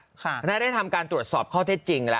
แต่ถ้าได้ทำการตรวจสอบเขาถ้าจริงละ